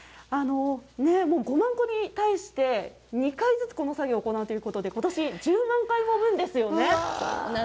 もう５万個に対して、２回ずつこの作業を行うということで、ことし、１０万回、もむんですよね。